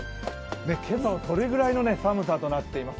今朝はそれぐらいの寒さとなっています。